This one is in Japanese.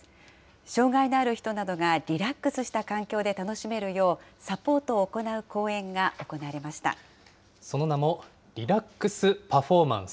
障害のある人などがリラックスした環境で楽しめるよう、サポートその名も、リラックス・パフォーマンス。